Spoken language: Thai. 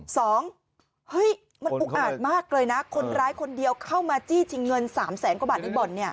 สองเฮ้ยมันอุกอาจมากเลยนะคนร้ายคนเดียวเข้ามาจี้ชิงเงินสามแสนกว่าบาทในบ่อน